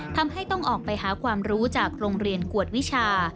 ทำให้ต้องออกไปหาความรู้จากโรงเรียนกวดวิชา